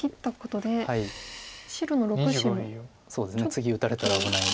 次打たれたら危ない。